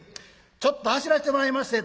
ちょっと走らせてもらいまっせ」。